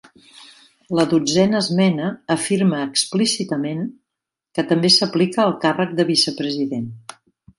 La Dotzena Esmena afirma explícitament que també s'aplica al càrrec de vicepresident.